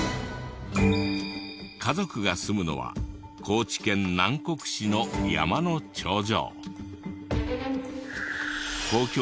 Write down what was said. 家族が住むのは高知県南国市の山の頂上。